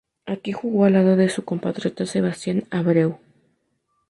Aquí jugó al lado de su compatriota Sebastián Abreu.